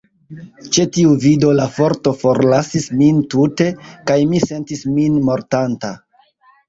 Ĉe tiu vido, la forto forlasis min tute, kaj mi sentis min mortanta.